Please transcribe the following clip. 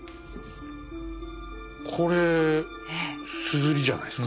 これ硯じゃないですか。